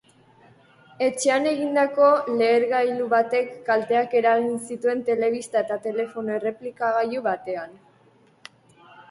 Etxean egindako lehergailu batek kalteak eragin zituen telebista eta telefono errepikagailu batean.